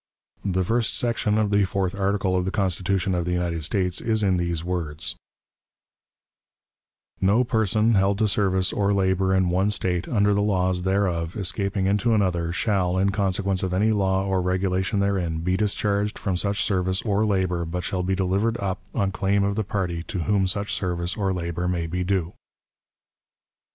The first section of the fourth article of the Constitution of the United States is in these words: "No person held to service or labor in one State, under the laws thereof, escaping into another, shall, in consequence of any law or regulation therein, be discharged from such service or labor, but shall be delivered up on claim of the party to whom such service or labor may be due."